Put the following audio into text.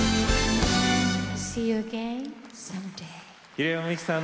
平山みきさん